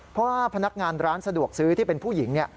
เพราะว่าพนักงานร้านสะดวกซื้อที่เป็นผู้หญิงเนี่ย